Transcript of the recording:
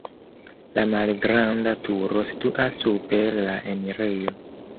La malgranda turo situas super la enirejo.